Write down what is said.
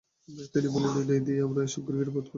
তিনি বললেন, এ দিয়ে আমি এসব গিরগিটি বধ করি।